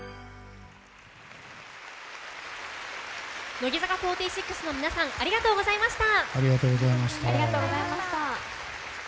乃木坂４６の皆さんありがとうございました。